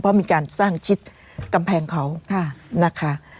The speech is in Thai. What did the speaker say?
เพราะมีการสร้างชิดกำแพงเขานะคะ